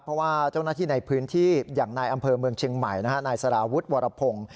เพราะว่าเจ้าหน้าที่ในพื้นที่อย่างนายอำเภอเมืองเชียงใหม่นายสารวุฒิวรพงศ์